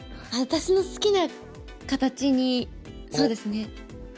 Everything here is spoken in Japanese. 私の好きな形にそうですね。